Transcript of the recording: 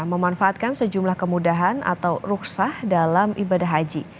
memanfaatkan sejumlah kemudahan atau ruksah dalam ibadah haji